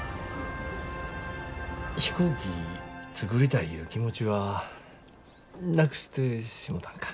飛行機作りたいいう気持ちはなくしてしもたんか？